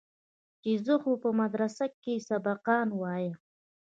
چې زه خو په مدرسه کښې سبقان وايم.